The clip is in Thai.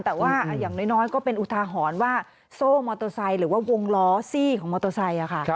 แต่ว่าอย่างน้อยก็เป็นอุทาหรณ์ว่าโซ่มอเตอร์ไซค์หรือว่าวงล้อซี่ของมอเตอร์ไซค์ค่ะ